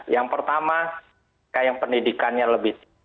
yang pertama yang pendidikannya lebih